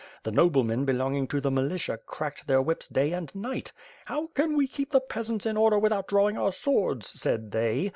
The noblemen, belonging to the militia cracked their whips day and night. *How can we keep the peasants in order without drawing our swords,' said they.